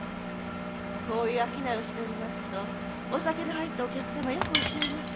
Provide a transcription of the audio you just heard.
こういう商いをしておりますとお酒の入ったお客様よくおっしゃいます。